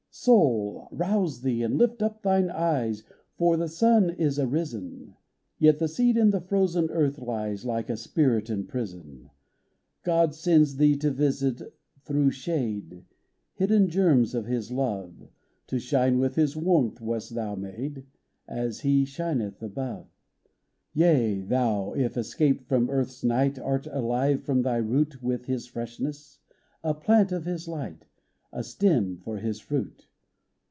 — Soul, rouse thee, and lift up thine eyes, For the sun is arisen ! Yet the seed in the frozen earth lies Like a spirit in prison. God sends thee to visit, through shade, Hidden germs of His love ; (26) A GLIMPSE OF HIS FACE 2? To shine with His warmth wast thou made, As He shineth above. Yea, thou, if escaped from earth's night, Art alive from thy root With His freshness ; a plant of His light ; A stem for His fruit.